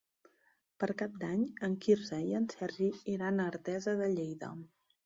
Per Cap d'Any en Quirze i en Sergi iran a Artesa de Lleida.